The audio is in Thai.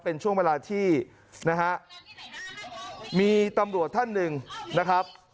เป็นช่วงเวลาที่นะฮะมีตำรวจท่านหนึ่งนะครับ